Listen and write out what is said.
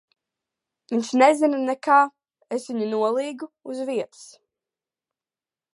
Viņš nezina nekā. Es viņu nolīgu uz vietas.